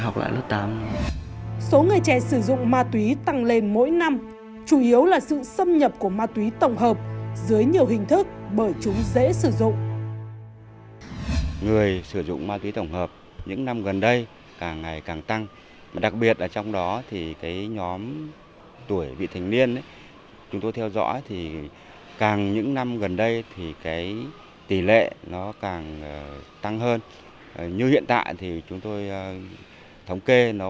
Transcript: chủ yếu là sự xâm nhập của ma túy tổng hợp dưới nhiều hình thức bởi chúng dễ sử dụng